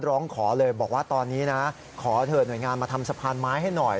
ร้องขอเลยบอกว่าตอนนี้นะขอเถอะหน่วยงานมาทำสะพานไม้ให้หน่อย